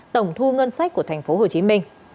tổng thu ngân sách của tp hcm